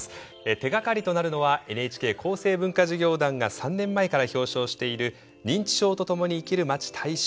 手がかりとなるのはＮＨＫ厚生文化事業団が３年前から表彰している「認知症とともに生きるまち大賞」です。